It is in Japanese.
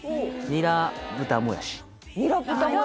「ニラ豚もやし」